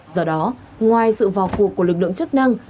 do đó ngoài sự vào cuộc của lực lượng chức năng